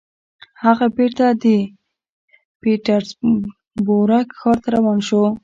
هغه بېرته د پیټرزبورګ ښار ته روان شو